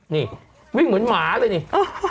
นี่วิ่งเหมือนหมาเลยนี่